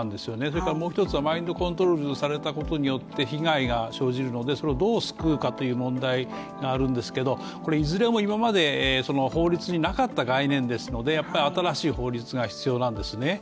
それからもう一つはマインドコントロールされたことによって被害が生じるので、それをどう救うかという問題があるんですけどいずれも今まで、法律になかった概念ですのでやっぱり新しい法律が必要なんですね。